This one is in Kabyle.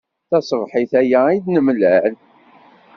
Taṣebḥit aya i d-nemlal.